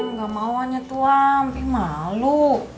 nggak mauannya tua ampi malu